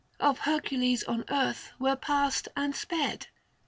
Of Hercules on earth were passed and sped."